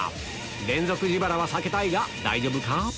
連続自腹は避けたいが大丈夫か？